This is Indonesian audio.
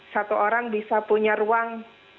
satu orang bisa punya ruang